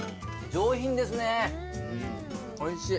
上品ですねおいしい。